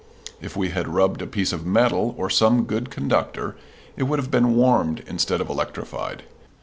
If we had rubbed a piece of metal or some good conductor it would have been warmed instead of electrified.